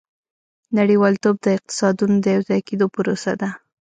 • نړیوالتوب د اقتصادونو د یوځای کېدو پروسه ده.